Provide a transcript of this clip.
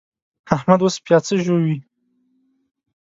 احمد اوس پياڅه ژووي.